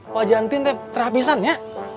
wajah tin cerah bisa ya